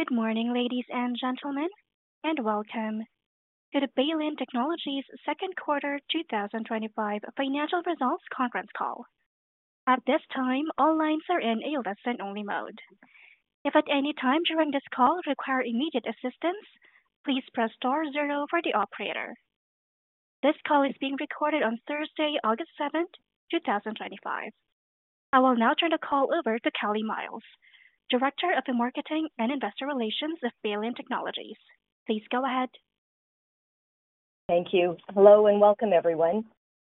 Good morning, ladies and gentlemen, and welcome to the Baylin Technologies Second Quarter 2025 Financial Results Conference Call. At this time, all lines are in a listen-only mode. If at any time during this call you require immediate assistance, please press star zero for the operator. This call is being recorded on Thursday, August 7th, 2025. I will now turn the call over to Kelly Myles, Director of Marketing and Investor Relations at Baylin Technologies. Please go ahead. Thank you. Hello and welcome, everyone.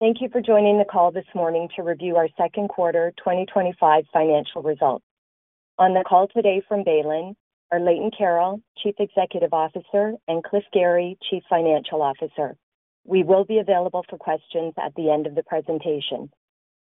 Thank you for joining the call this morning to review our Second Quarter 2025 Financial Results. On the call today from Baylin are Leighton Carroll, Chief Executive Officer, and Cliff Gary, Chief Financial Officer. We will be available for questions at the end of the presentation.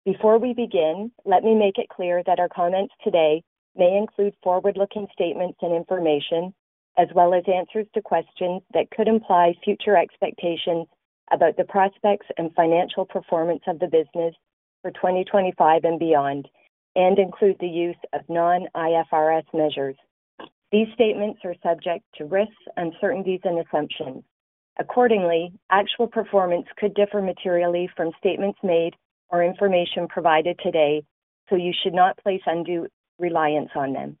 Before we begin, let me make it clear that our comments today may include forward-looking statements and information, as well as answers to questions that could imply future expectations about the prospects and financial performance of the business for 2025 and beyond, and include the use of non-IFRS measures. These statements are subject to risks, uncertainties, and assumptions. Accordingly, actual performance could differ materially from statements made or information provided today, so you should not place undue reliance on them.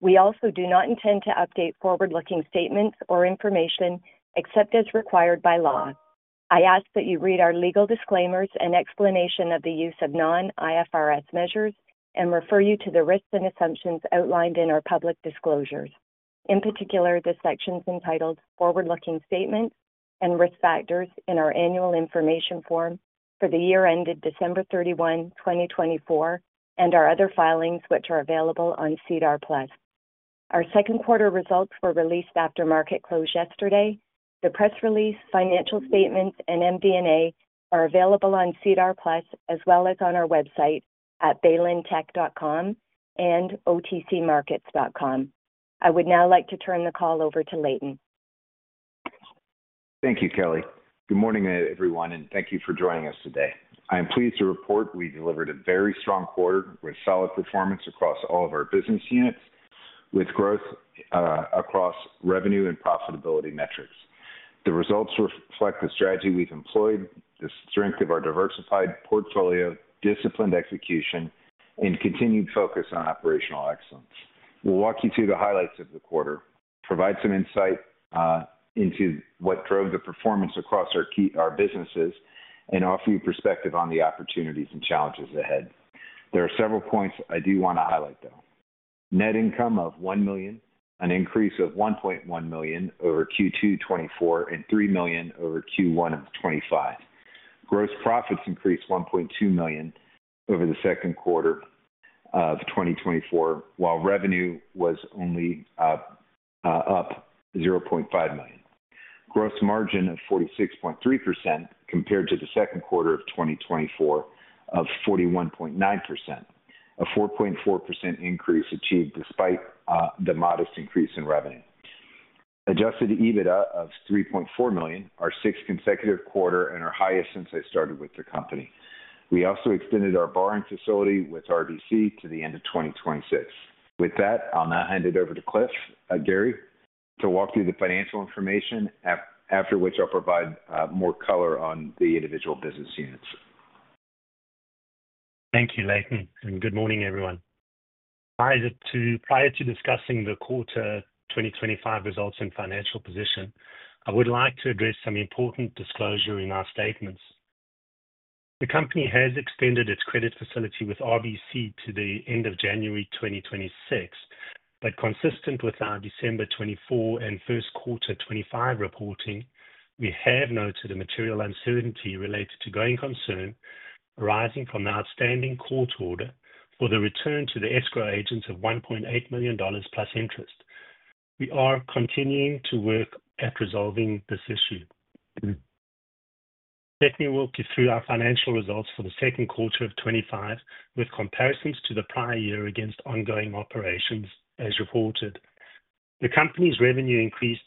We also do not intend to update forward-looking statements or information except as required by law. I ask that you read our legal disclaimers and explanation of the use of non-IFRS measures and refer you to the risks and assumptions outlined in our public disclosures. In particular, the sections entitled "Forward-Looking Statement" and "Risk Factors" in our Annual Information Form for the year ended December 31, 2024, and our other filings, which are available on SEDAR+. Our second quarter results were released after market close yesterday. The press release, financial statements, and MD&A are available on SEDAR+, as well as on our website at baylintech.com and otcmarkets.com. I would now like to turn the call over to Leighton. Thank you, Kelly. Good morning, everyone, and thank you for joining us today. I am pleased to report we delivered a very strong quarter with solid performance across all of our business units, with growth across revenue and profitability metrics. The results reflect the strategy we've employed, the strength of our diversified portfolio, disciplined execution, and continued focus on operational excellence. We'll walk you through the highlights of the quarter, provide some insight into what drove the performance across our businesses, and offer you perspective on the opportunities and challenges ahead. There are several points I do want to highlight, though. Net income of $1 million, an increase of $1.1 million over Q2 2024, and $3 million over Q1 of 2025. Gross profits increased $1.2 million over the second quarter of 2024, while revenue was only up $0.5 million. Gross margin of 46.3% compared to the second quarter of 2024 of 41.9%, a 4.4% increase achieved despite the modest increase in revenue. Adjusted EBITDA of $3.4 million, our sixth consecutive quarter and our highest since I started with the company. We also extended our borrowing facility with RBC to the end of 2026. With that, I'll now hand it over to Cliff Gary to walk through the financial information, after which I'll provide more color on the individual business units. Thank you, Leighton, and good morning, everyone. Prior to discussing the Quarter 2025 Results and Financial Position, I would like to address some important disclosures in our statements. The company has extended its credit facility with RBC to the end of January 2026, but consistent with our December 2024 and first quarter 2025 reporting, we have noted a material uncertainty related to growing concern arising from the outstanding court order for the return to the escrow agents of $1.8 million plus interest. We are continuing to work at resolving this issue. Let me walk you through our financial results for the second quarter of 2025 with comparisons to the prior year against ongoing operations as reported. The company's revenue increased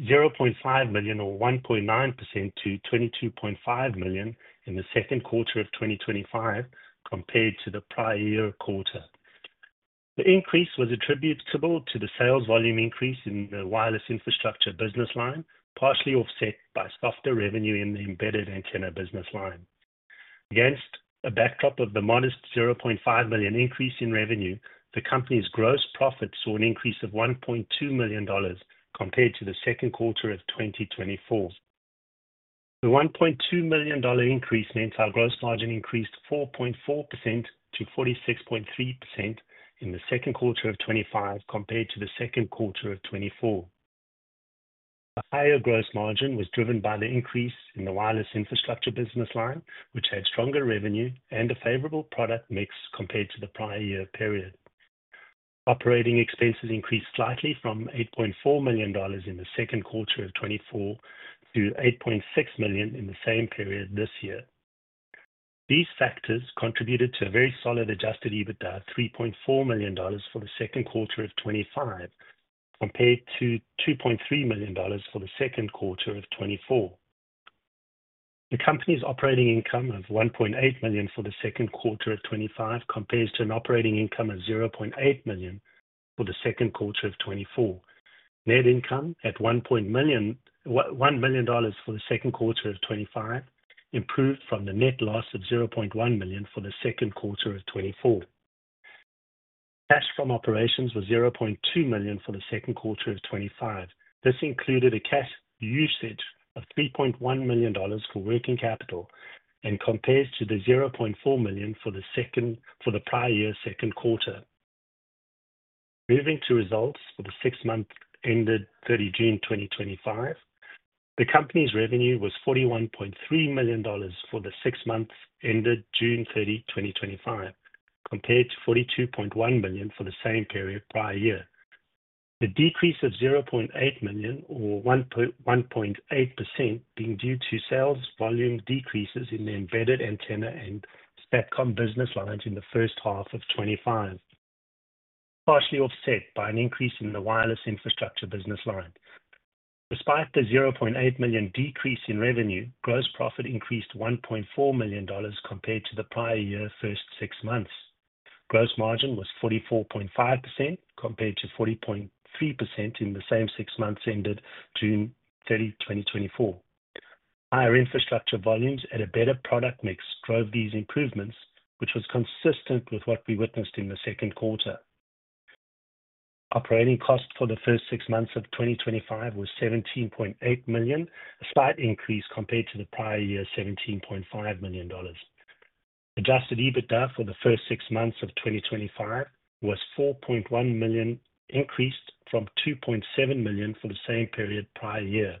$0.5 million or 1.9% to $22.5 million in the second quarter of 2025 compared to the prior year quarter. The increase was attributable to the sales volume increase in the Wireless Infrastructure business line, partially offset by softer revenue in the Embedded Antenna business line. Against a backdrop of the modest $0.5 million increase in revenue, the company's gross profits saw an increase of $1.2 million compared to the second quarter of 2024. The $1.2 million increase meant our gross margin increased 4.4%- to 46.3% in the second quarter of 2025 compared to the second quarter of 2024. A higher gross margin was driven by the increase in the Wireless Infrastructure business line, which had stronger revenue and a favorable product mix compared to the prior year period. Operating expenses increased slightly from $8.4 million in the second quarter of 2024 to $8.6 million in the same period this year. These factors contributed to a very solid adjusted EBITDA of $3.4 million for the second quarter of 2025 compared to $2.3 million for the second quarter of 2024. The company's operating income of $1.8 million for the second quarter of 2025 compares to an operating income of $0.8 million for the second quarter of 2024. Net income at $1 million for the second quarter of 2025 improved from the net loss of $0.1 million for the second quarter of 2024. Cash from operations was $0.2 million for the second quarter of 2025. This included a cash usage of $3.1 million for working capital and compares to the $0.4 million for the prior year's second quarter. Moving to results for the six months ended June 30th, 2025, the company's revenue was $41.3 million for the six months ended June 30th, 2025, compared to $42.1 million for the same period prior year. The decrease of $0.8 million or 1.8% being due to sales volume decreases in the Embedded Antenna and SATCOM business lines in the first half of 2025, partially offset by an increase in the Wireless Infrastructure business line. Despite the $0.8 million decrease in revenue, gross profit increased $1.4 million compared to the prior year's first six months. Gross margin was 44.5% compared to 40.3% in the same six months ended June 30th, 2024. Higher infrastructure volumes and a better product mix drove these improvements, which was consistent with what we witnessed in the second quarter. Operating costs for the first six months of 2025 were $17.8 million, a slight increase compared to the prior year's $17.5 million. Adjusted EBITDA for the first six months of 2025 was $4.1 million, increased from $2.7 million for the same period prior year.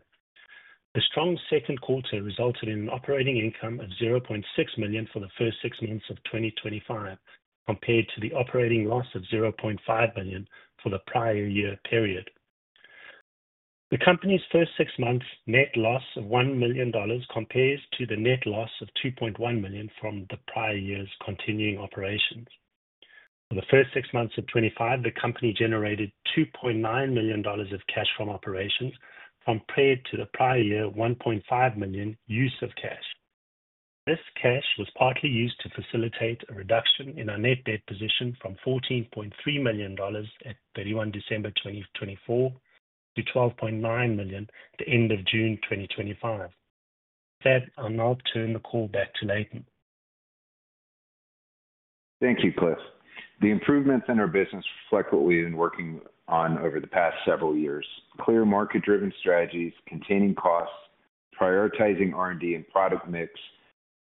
The strong second quarter resulted in an operating income of $0.6 million for the first six months of 2025, compared to the operating loss of $0.5 million for the prior year period. The company's first six months' net loss of $1 million compares to the net loss of $2.1 million from the prior year's continuing operations. For the first six months of 2025, the company generated $2.9 million of cash from operations compared to the prior year's $1.5 million use of cash. This cash was partly used to facilitate a reduction in our net debt position from $14.3 million at December 31st, 2024 to $12.9 million at the end of June 2025. With that, I'll now turn the call back to Leighton. Thank you, Cliff. The improvements in our business reflect what we've been working on over the past several years. Clear market-driven strategies, containing costs, prioritizing R&D and product mix,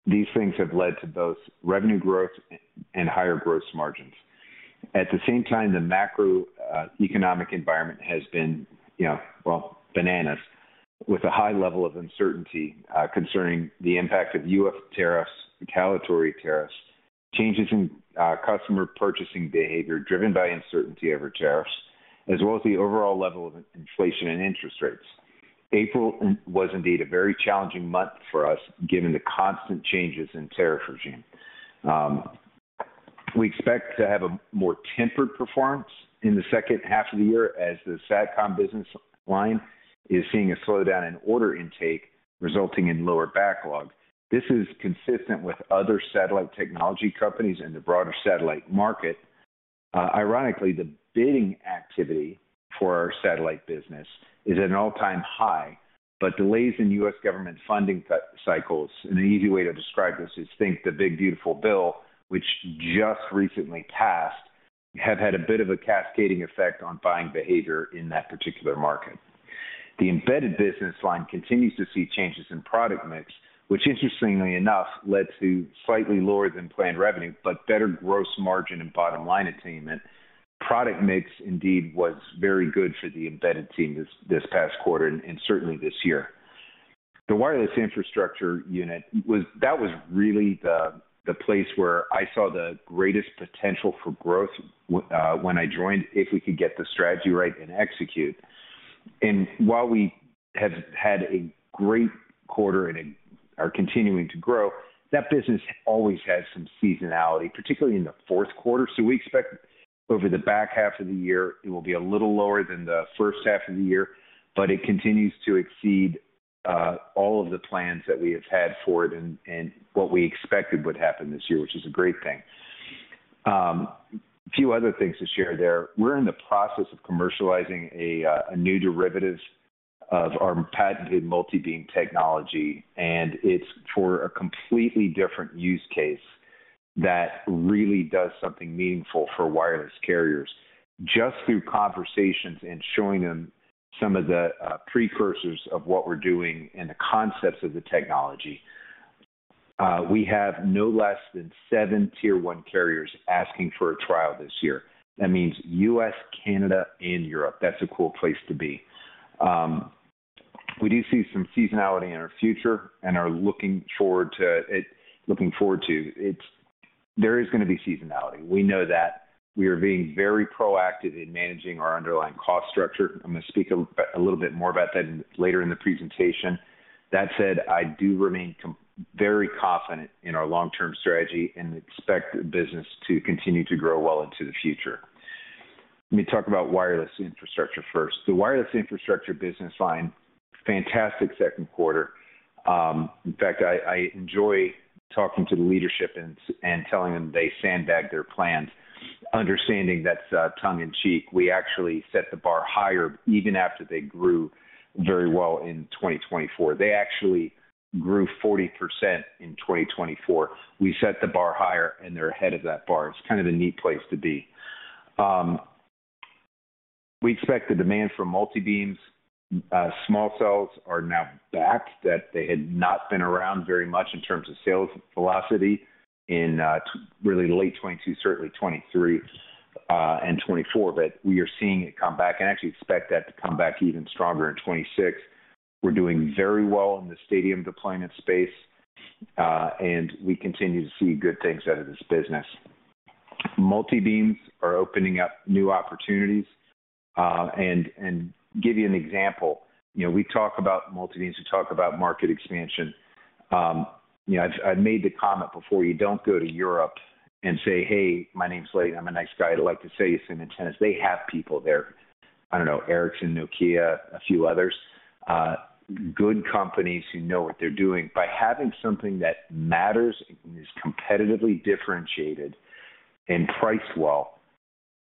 these things have led to both revenue growth and higher gross margins. At the same time, the macroeconomic environment has been, you know, well, bananas with a high level of uncertainty concerning the impact of U.S. tariffs, recalcitrant tariffs, changes in customer purchasing behavior driven by uncertainty over tariffs, as well as the overall level of inflation and interest rates. April was indeed a very challenging month for us given the constant changes in tariff regime. We expect to have a more tempered performance in the second half of the year as the SATCOM business line is seeing a slowdown in order intake, resulting in lower backlog. This is consistent with other satellite technology companies in the broader satellite market. Ironically, the bidding activity for our satellite business is at an all-time high, but delays in U.S. government funding cycles, and an easy way to describe this is think the big beautiful bill, which just recently passed, have had a bit of a cascading effect on buying behavior in that particular market. The Embedded Antenna business line continues to see changes in product mix, which interestingly enough led to slightly lower than planned revenue, but better gross margin and bottom line attainment. Product mix indeed was very good for the Embedded team this past quarter and certainly this year. The Wireless Infrastructure unit, that was really the place where I saw the greatest potential for growth when I joined, if we could get the strategy right and execute. While we have had a great quarter and are continuing to grow, that business always has some seasonality, particularly in the fourth quarter. We expect over the back half of the year it will be a little lower than the first half of the year, but it continues to exceed all of the plans that we have had for it and what we expected would happen this year, which is a great thing. A few other things to share there. We're in the process of commercializing a new derivative of our patented multibeam technology, and it's for a completely different use case that really does something meaningful for wireless carriers. Just through conversations and showing them some of the precursors of what we're doing and the concepts of the technology, we have no less than seven Tier 1 carriers asking for a trial this year. That means U.S., Canada, and Europe. That's a cool place to be. We do see some seasonality in our future and are looking forward to it. There is going to be seasonality. We know that. We are being very proactive in managing our underlying cost structure. I'm going to speak a little bit more about that later in the presentation. That said, I do remain very confident in our long-term strategy and expect the business to continue to grow well into the future. Let me talk about Wireless Infrastructure first. The Wireless Infrastructure business line, fantastic second quarter. In fact, I enjoy talking to the leadership and telling them they sandbag their plans, understanding that's tongue in cheek. We actually set the bar higher even after they grew very well in 2024. They actually grew 40% in 2024. We set the bar higher and they're ahead of that bar. It's kind of a neat place to be. We expect the demand for multibeams, small cells are now back, that they had not been around very much in terms of sales velocity in really late 2022, certainly 2023 and 2024, but we are seeing it come back and actually expect that to come back even stronger in 2026. We're doing very well in the stadium deployment space, and we continue to see good things out of this business. Multibeams are opening up new opportunities. To give you an example, we talk about multibeams, we talk about market expansion. I've made the comment before, you don't go to Europe and say, "Hey, my name's Leighton. I'm a nice guy. I'd like to sell you some antennas." They have people there. I don't know, Ericsson, Nokia, a few others. Good companies who know what they're doing. By having something that matters and is competitively differentiated and priced well,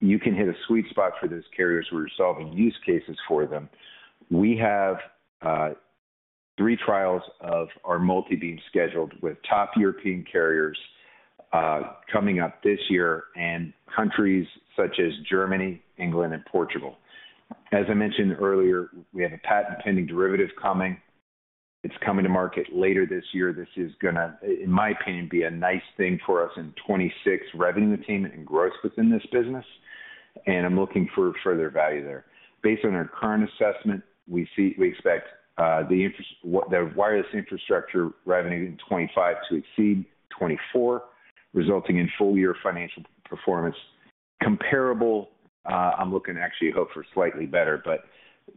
you can hit a sweet spot for those carriers who are solving use cases for them. We have three trials of our multibeam scheduled with top European carriers coming up this year in countries such as Germany, England, and Portugal. As I mentioned earlier, we have a patent-pending derivative coming. It's coming to market later this year. This is going to, in my opinion, be a nice thing for us in 2026, revenue attainment and growth within this business. I'm looking for further value there. Based on our current assessment, we expect the Wireless Infrastructure revenue in 2025 to exceed 2024, resulting in full-year financial performance comparable. I'm looking to actually hope for slightly better, but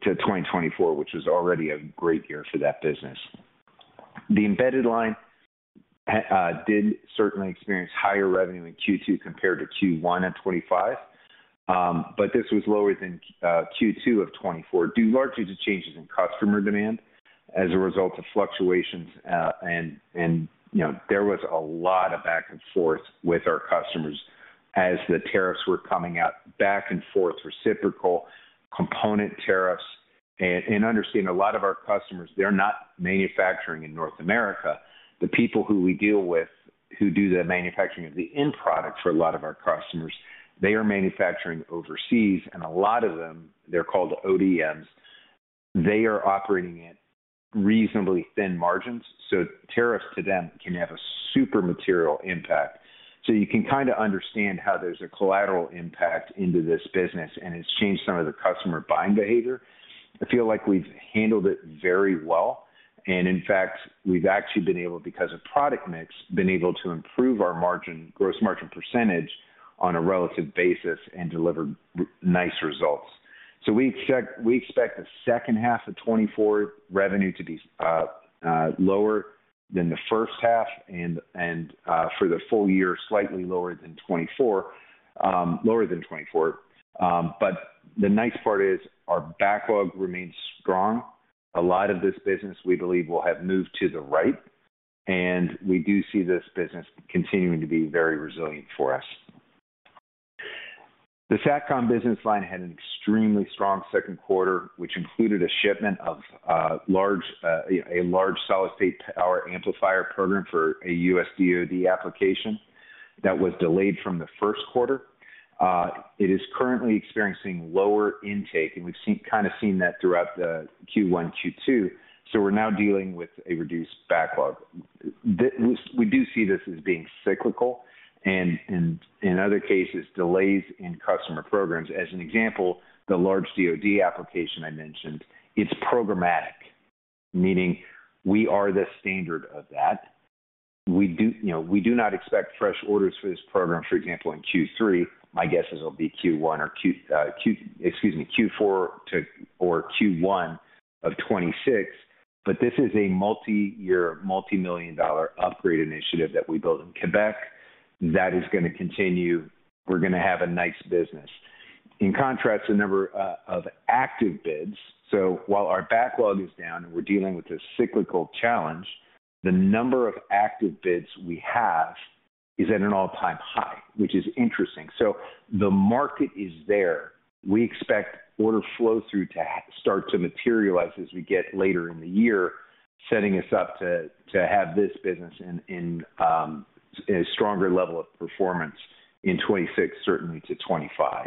to 2024, which was already a great year for that business. The Embedded Antenna line did certainly experience higher revenue in Q2 compared to Q1 of 2025, but this was lower than Q2 of 2024, due largely to changes in customer demand as a result of fluctuations. There was a lot of back and forth with our customers as the tariffs were coming out, back and forth, reciprocal component tariffs. Understand, a lot of our customers, they're not manufacturing in North America. The people who we deal with who do the manufacturing of the end product for a lot of our customers, they are manufacturing overseas, and a lot of them, they're called ODMs. They are operating at reasonably thin margins, so tariffs to them can have a super material impact. You can kind of understand how there's a collateral impact into this business and has changed some of the customer buying behavior. I feel like we've handled it very well. In fact, we've actually been able, because of product mix, to improve our gross margin % on a relative basis and deliver nice results. We expect the second half of 2024 revenue to be lower than the first half and for the full year slightly lower than 2024. The nice part is our backlog remains strong. A lot of this business we believe will have moved to the right, and we do see this business continuing to be very resilient for us. The SATCOM business line had an extremely strong second quarter, which included a shipment of a large solid-state power amplifier program for a U.S. Department of Defense application that was delayed from the first quarter. It is currently experiencing lower intake, and we've kind of seen that throughout Q1, Q2. We're now dealing with a reduced backlog. We do see this as being cyclical and, in other cases, delays in customer programs. As an example, the large U.S. Department of Defense application I mentioned, it's programmatic, meaning we are the standard of that. We do not expect fresh orders for this program, for example, in Q3. My guess is it'll be Q4 or Q1 of 2026. This is a multi-year, multi-million dollar upgrade initiative that we built in Quebec that is going to continue. We're going to have a nice business. In contrast, the number of active bids, while our backlog is down and we're dealing with a cyclical challenge, the number of active bids we have is at an all-time high, which is interesting. The market is there. We expect order flow-through to start to materialize as we get later in the year, setting us up to have this business in a stronger level of performance in 2026, certainly to 2025.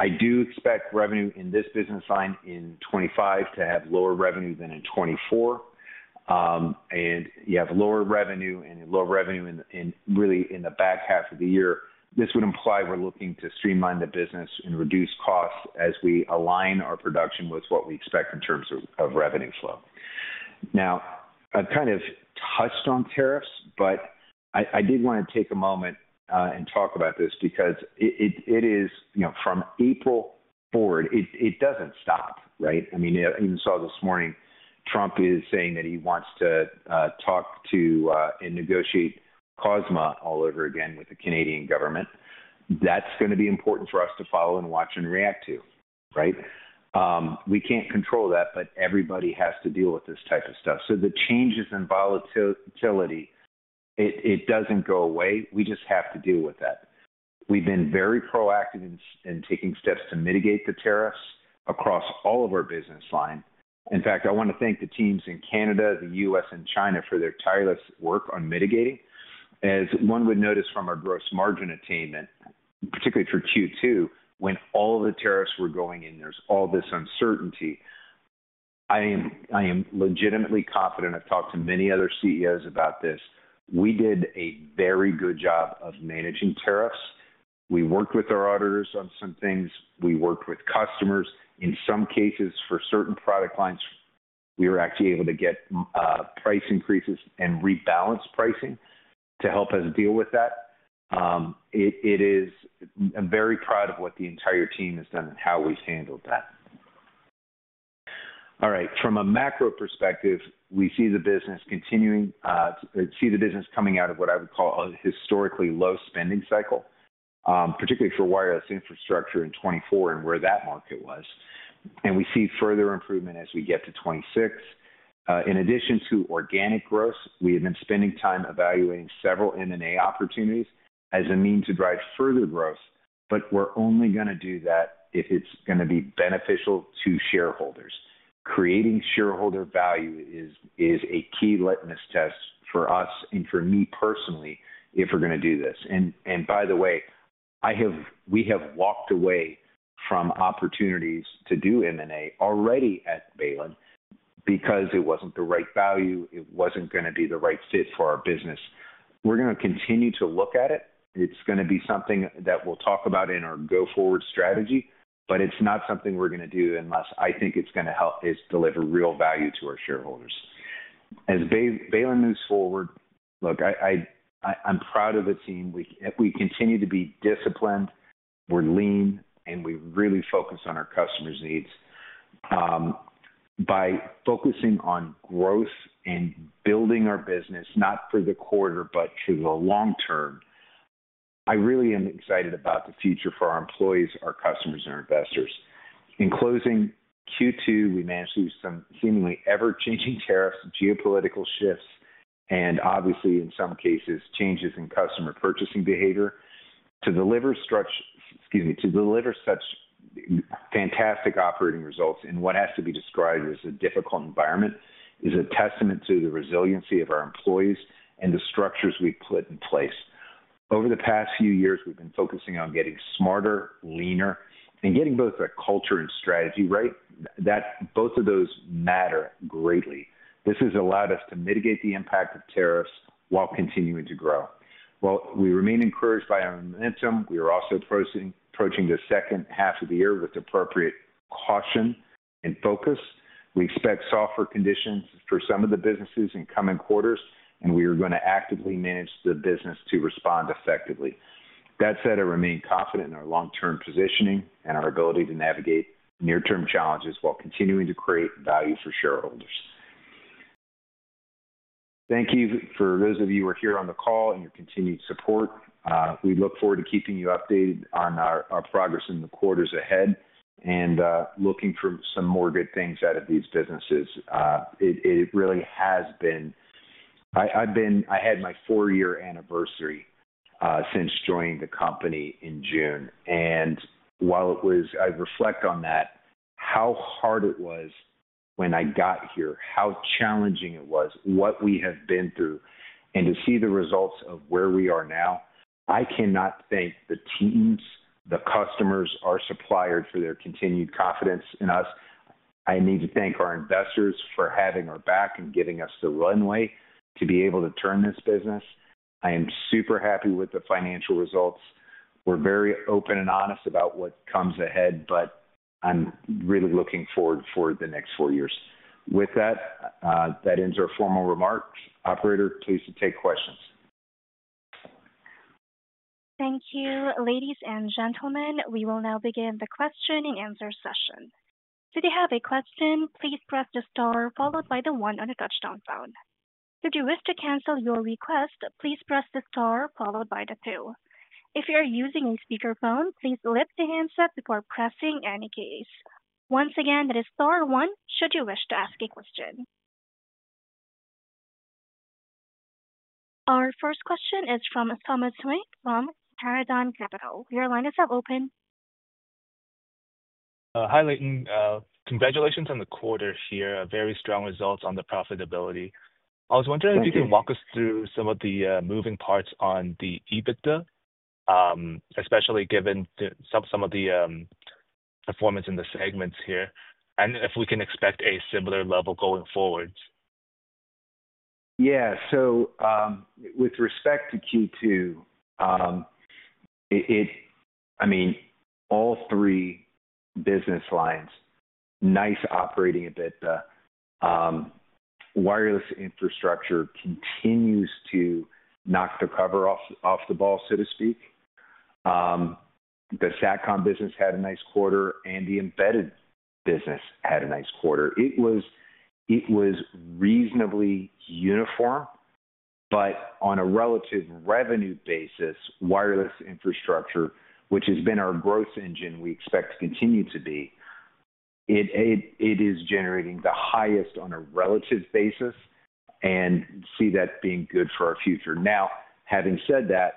I do expect revenue in this business line in 2025 to have lower revenue than in 2024. You have lower revenue and lower revenue really in the back half of the year. This would imply we're looking to streamline the business and reduce costs as we align our production with what we expect in terms of revenue flow. I kind of touched on tariffs, but I did want to take a moment and talk about this because it is, you know, from April forward, it doesn't stop, right? I mean, I even saw this morning, Trump is saying that he wants to talk to and negotiate COSMA all over again with the Canadian government. That's going to be important for us to follow and watch and react to, right? We can't control that, but everybody has to deal with this type of stuff. The changes in volatility, it doesn't go away. We just have to deal with that. We've been very proactive in taking steps to mitigate the tariffs across all of our business line. In fact, I want to thank the teams in Canada, the U.S., and China for their tireless work on mitigating. As one would notice from our gross margin attainment, particularly for Q2, when all of the tariffs were going in, there's all this uncertainty. I am legitimately confident. I've talked to many other CEOs about this. We did a very good job of managing tariffs. We worked with our auditors on some things. We worked with customers. In some cases, for certain product lines, we were actually able to get price increases and rebalance pricing to help us deal with that. I'm very proud of what the entire team has done and how we've handled that. From a macro perspective, we see the business continuing, see the business coming out of what I would call a historically low spending cycle, particularly for Wireless Infrastructure in 2024 and where that market was. We see further improvement as we get to 2026. In addition to organic growth, we have been spending time evaluating several M&A opportunities as a means to drive further growth, but we're only going to do that if it's going to be beneficial to shareholders. Creating shareholder value is a key litmus test for us and for me personally if we're going to do this. By the way, we have walked away from opportunities to do M&A already at Baylin because it wasn't the right value. It wasn't going to be the right fit for our business. We're going to continue to look at it. It's going to be something that we'll talk about in our go-forward strategy, but it's not something we're going to do unless I think it's going to help us deliver real value to our shareholders. As Baylin moves forward, look, I'm proud of a team. We continue to be disciplined. We're lean, and we really focus on our customers' needs. By focusing on growth and building our business, not for the quarter, but to the long term, I really am excited about the future for our employees, our customers, and our investors. In closing Q2, we managed to do some seemingly ever-changing tariffs, geopolitical shifts, and obviously, in some cases, changes in customer purchasing behavior to deliver such fantastic operating results in what has to be described as a difficult environment. It is a testament to the resiliency of our employees and the structures we put in place. Over the past few years, we've been focusing on getting smarter, leaner, and getting both the culture and strategy right. Both of those matter greatly. This has allowed us to mitigate the impact of tariffs while continuing to grow. While we remain encouraged by our momentum, we are also approaching the second half of the year with appropriate caution and focus. We expect softer conditions for some of the businesses in coming quarters, and we are going to actively manage the business to respond effectively. That said, I remain confident in our long-term positioning and our ability to navigate near-term challenges while continuing to create value for shareholders. Thank you for those of you who are here on the call and your continued support. We look forward to keeping you updated on our progress in the quarters ahead and looking for some more good things out of these businesses. It really has been. I've been, I had my four-year anniversary since joining the company in June. While I reflect on that, how hard it was when I got here, how challenging it was, what we have been through, and to see the results of where we are now, I cannot thank the teams, the customers, our suppliers for their continued confidence in us. I need to thank our investors for having our back and giving us the runway to be able to turn this business. I am super happy with the financial results. We're very open and honest about what comes ahead. I'm really looking forward to the next four years. With that, that ends our formal remarks. Operator, please take questions. Thank you, ladies and gentlemen. We will now begin the question and answer session. To have a question, please press the star followed by the one on a touch-tone phone. If you wish to cancel your request, please press the star followed by the two. If you're using a speakerphone, please lift the handset before pressing any keys. Once again, that is star one should you wish to ask a question. Our first question is from Thomas Hui from Paradigm Capital. Your line is now open. Hi, Leighton. Congratulations on the quarter here. Very strong results on the profitability. I was wondering if you can walk us through some of the moving parts on the adjusted EBITDA, especially given some of the performance in the segments here, and if we can expect a similar level going forward. Yeah, so with respect to Q2, I mean, all three business lines, nice operating EBITDA. Wireless Infrastructure continues to knock the cover off the ball, so to speak. The SATCOM business had a nice quarter, and the Embedded Antenna business had a nice quarter. It was reasonably uniform, but on a relative revenue basis, Wireless Infrastructure, which has been our growth engine, we expect to continue to be, it is generating the highest on a relative basis and see that being good for our future. Now, having said that,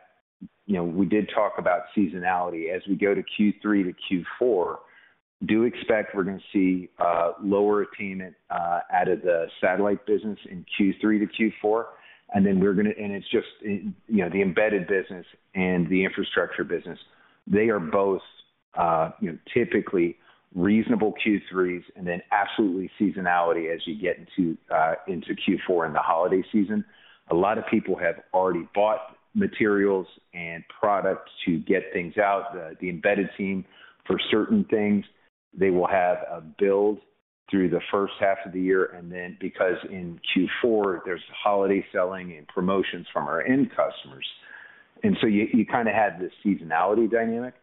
you know, we did talk about seasonality. As we go to Q3 to Q4, do expect we're going to see a lower attainment out of the Satcom business in Q3 to Q4. It's just, you know, the Embedded Antenna business and the Wireless Infrastructure business, they are both, you know, typically reasonable Q3s and then absolutely seasonality as you get into Q4 and the holiday season. A lot of people have already bought materials and products to get things out. The embedded team, for certain things, they will have a build through the first half of the year. In Q4, there's holiday selling and promotions from our end customers. You kind of have this seasonality dynamic.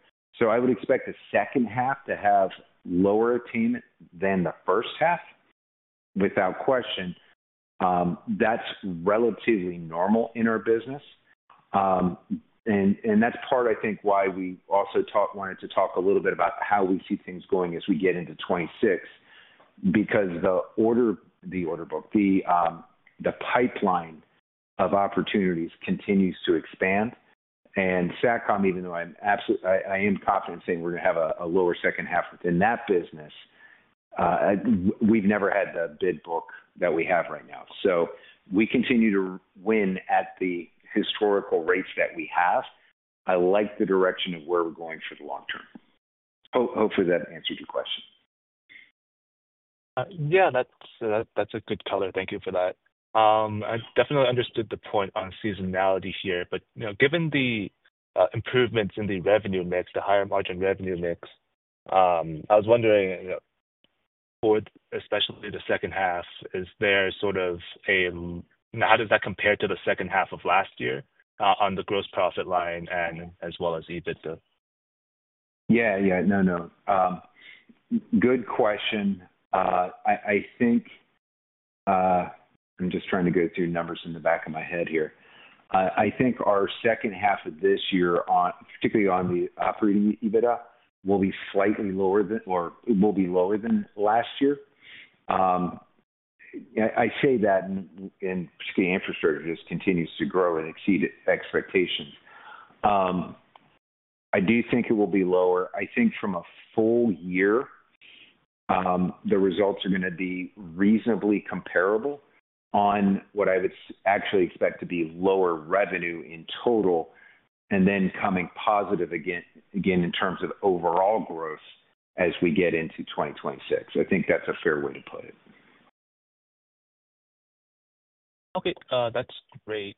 I would expect the second half to have lower attainment than the first half, without question. That's relatively normal in our business. That's part, I think, why we also wanted to talk a little bit about how we see things going as we get into 2026, because the order book, the pipeline of opportunities continues to expand. SATCOM, even though I'm absolutely, I am confident in saying we're going to have a lower second half within that business, we've never had the bid pipeline that we have right now. We continue to win at the historical rates that we have. I like the direction of where we're going for the long term. Hopefully, that answered your question. Yeah, that's a good color. Thank you for that. I definitely understood the point on seasonality here, but you know, given the improvements in the revenue mix, the higher margin revenue mix, I was wondering, for especially the second half, is there sort of a, now how does that compare to the second half of last year on the gross profit line and as well as EBITDA? Good question. I'm just trying to go through numbers in the back of my head here. I think our second half of this year, particularly on the operating EBITDA, will be slightly lower than or it will be lower than last year. I say that in particularly infrastructure that continues to grow and exceed expectations. I do think it will be lower. I think from a full year, the results are going to be reasonably comparable on what I would actually expect to be lower revenue in total and then coming positive again in terms of overall growth as we get into 2026. I think that's a fair way to put it. Okay, that's great.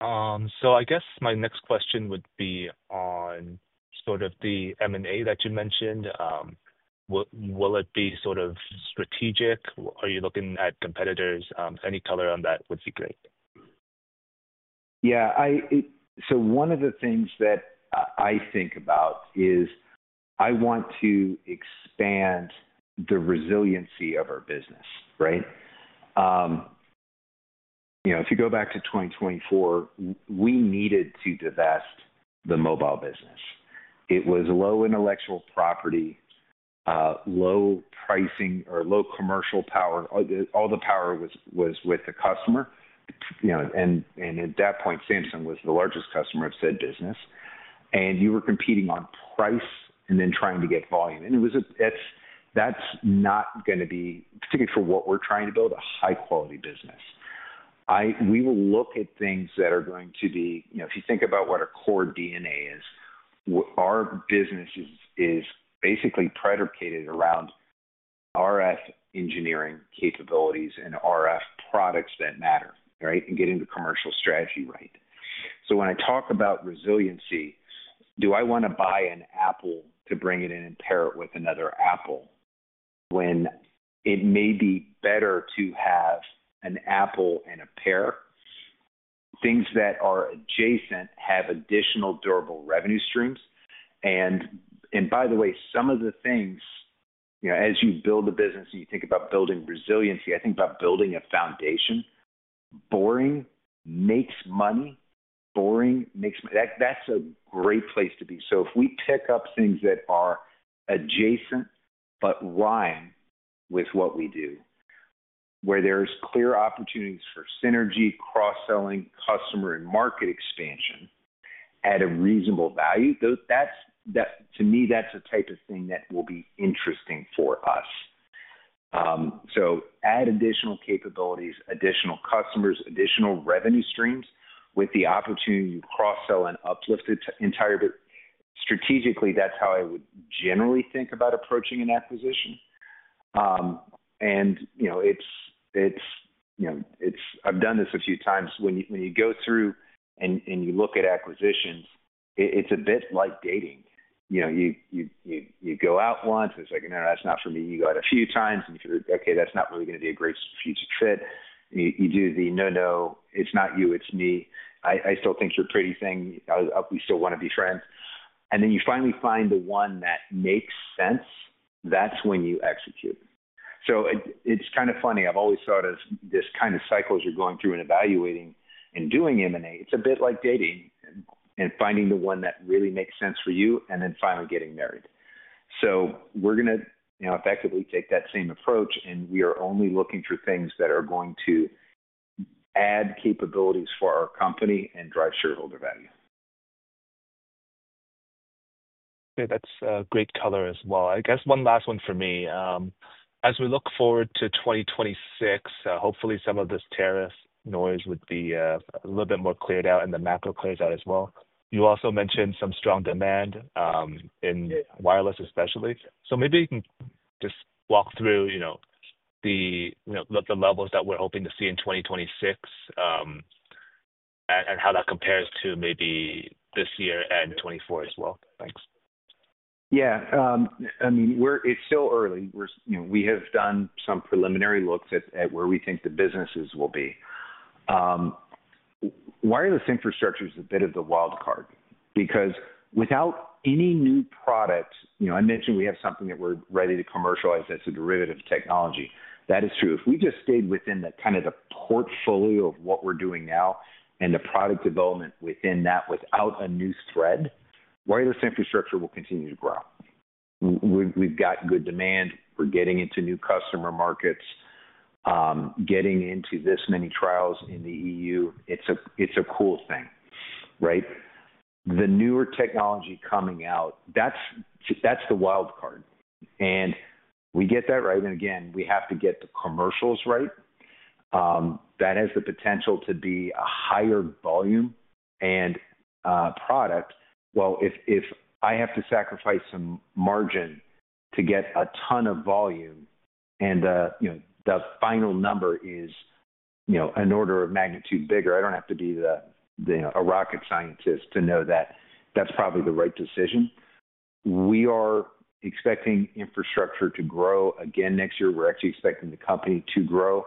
I guess my next question would be on sort of the M&A that you mentioned. Will it be sort of strategic? Are you looking at competitors? Any color on that would be great. Yeah, so one of the things that I think about is I want to expand the resiliency of our business, right? If you go back to 2024, we needed to divest the mobile business. It was low intellectual property, low pricing, or low commercial power. All the power was with the customer. At that point, Samsung was the largest customer of said business. You were competing on price and then trying to get volume. That's not going to be, particularly for what we're trying to build, a high-quality business. We will look at things that are going to be, if you think about what our core DNA is, our business is basically predicated around RF engineering capabilities and RF products that matter, right? Getting the commercial strategy right. When I talk about resiliency, do I want to buy an apple to bring it in and pair it with another apple when it may be better to have an apple and a pear? Things that are adjacent have additional durable revenue streams. By the way, as you build a business and you think about building resiliency, I think about building a foundation. Boring makes money. Boring makes money. That's a great place to be. If we pick up things that are adjacent but rhyme with what we do, where there are clear opportunities for synergy, cross-selling, customer, and market expansion at a reasonable value, that's a type of thing that will be interesting for us. Add additional capabilities, additional customers, additional revenue streams with the opportunity to cross-sell and uplift the entire business. Strategically, that's how I would generally think about approaching an acquisition. I've done this a few times. When you go through and you look at acquisitions, it's a bit like dating. You go out once, it's like, no, that's not for me. You go out a few times and you figure, okay, that's not really going to be a great strategic fit. You do the no, no, it's not you, it's me. I still think you're a pretty thing. We still want to be friends. Then you finally find the one that makes sense. That's when you execute. It's kind of funny. I've always thought of this kind of cycle as you're going through and evaluating and doing M&A. It's a bit like dating and finding the one that really makes sense for you and then finally getting married. We are going to effectively take that same approach and we are only looking for things that are going to add capabilities for our company and drive shareholder value. That's a great color as well. I guess one last one for me. As we look forward to 2026, hopefully some of this tariff noise would be a little bit more cleared out and the macro clears out as well. You also mentioned some strong demand in wireless especially. Maybe you can just walk through the levels that we're hoping to see in 2026 and how that compares to maybe this year and 2024 as well. Thanks. Yeah, I mean, it's still early. We have done some preliminary looks at where we think the businesses will be. Wireless Infrastructure is a bit of the wild card because without any new product, you know, I mentioned we have something that we're ready to commercialize that's a derivative of technology. That is true. If we just stayed within that kind of the portfolio of what we're doing now and the product development within that without a new thread, Wireless Infrastructure will continue to grow. We've got good demand. We're getting into new customer markets, getting into this many trials in the EU. It's a cool thing, right? The newer technology coming out, that's the wild card. If we get that right, we have to get the commercials right. That has the potential to be a higher volume and product. If I have to sacrifice some margin to get a ton of volume and the final number is, you know, an order of magnitude bigger, I don't have to be a rocket scientist to know that that's probably the right decision. We are expecting Infrastructure to grow again next year. We're actually expecting the company to grow.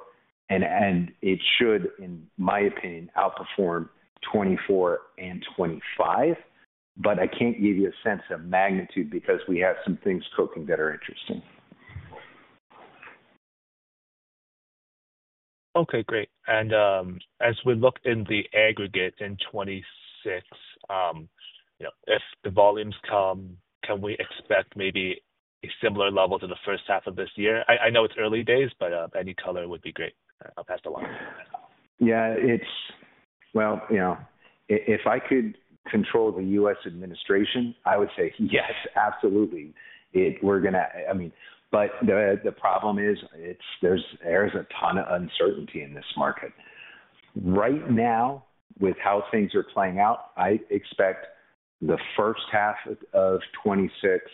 It should, in my opinion, outperform 2024 and 2025. I can't give you a sense of magnitude because we have some things cooking that are interesting. Okay, great. As we look in the aggregate in 2026, if the volumes come, can we expect maybe similar levels in the first half of this year? I know it's early days, but any color would be great. I'll pass the wand. Yeah, if I could control the U.S. administration, I would say yes, absolutely. We're going to, I mean, the problem is there's a ton of uncertainty in this market. Right now, with how things are playing out, I expect the first half of 2026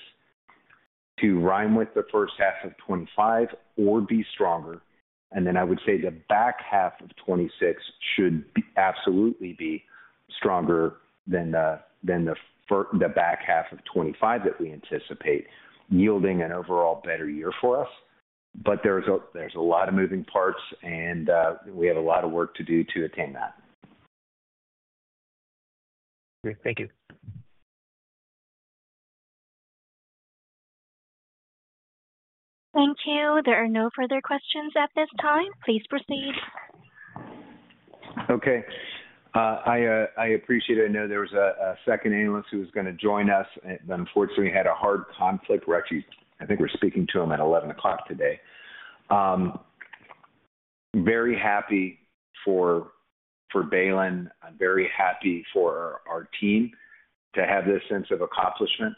to rhyme with the first half of 2025 or be stronger. I would say the back half of 2026 should absolutely be stronger than the back half of 2025 that we anticipate, yielding an overall better year for us. There's a lot of moving parts and we have a lot of work to do to attain that. Thank you. Thank you. There are no further questions at this time. Please proceed. Okay. I appreciate it. I know there was a second analyst who was going to join us and unfortunately had a hard conflict. We're actually, I think we're speaking to him at 11:00 A.M. today. Very happy for Baylin. I'm very happy for our team to have this sense of accomplishment.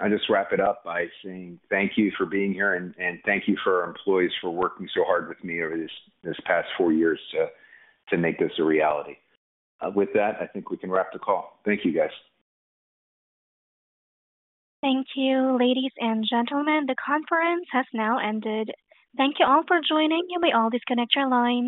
I just wrap it up by saying thank you for being here and thank you for our employees for working so hard with me over these past four years to make this a reality. With that, I think we can wrap the call. Thank you, guys. Thank you, ladies and gentlemen. The conference has now ended. Thank you all for joining. You may all disconnect your lines.